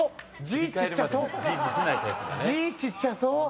字ちっちゃそう！